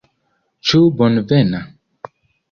Ĉu bonvena?